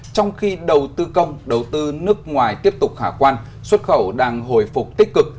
trong khi đầu tư công đầu tư nước ngoài tiếp tục khả quan xuất khẩu đang hồi phục tích cực